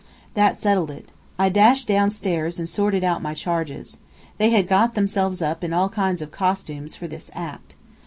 That settled it. I dashed downstairs and sorted out my charges. They had got themselves up in all kinds of costumes, for this "act."